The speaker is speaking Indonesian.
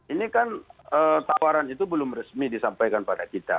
ini kan tawaran itu belum resmi disampaikan pada kita